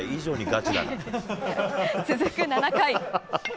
続く７回。